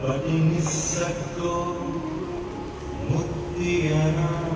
สวัสดีครับสวัสดีครับ